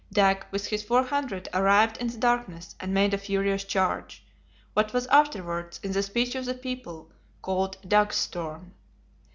Dag, with his four hundred, arrived in the darkness, and made a furious charge, what was afterwards, in the speech of the people, called "Dag's storm."